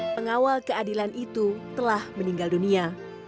pengawal keadilan itu telah meninggal dunia